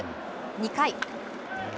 ２回。